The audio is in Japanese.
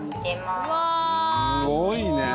すごいね。